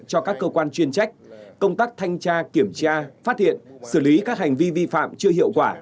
cho các cơ quan chuyên trách công tác thanh tra kiểm tra phát hiện xử lý các hành vi vi phạm chưa hiệu quả